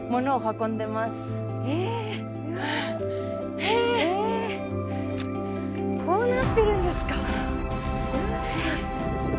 へえこうなってるんですか。